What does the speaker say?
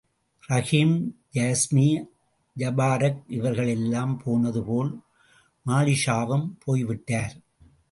ரஹீம் யாஸ்மி ஜபாரக் இவர்களெல்லாம் போனது போல் மாலிக்ஷாவும் போய்விட்டார்.